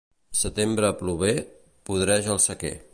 Setembre plover, podreix el sequer.